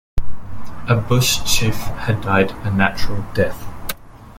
A bush chief had died a natural death.